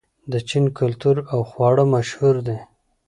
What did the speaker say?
د چین کلتور او خواړه مشهور دي.